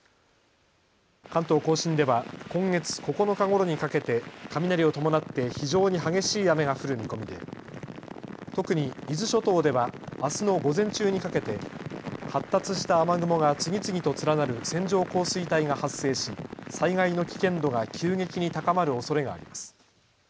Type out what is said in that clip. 関東甲信では今月９日ごろにかけて雷を伴って非常に激しい雨が降る見込みで特に伊豆諸島ではあすの午前中にかけて発達した雨雲が次々と連なる線状降水帯が発生し災害の危険度が急激に高まるおそれがあります。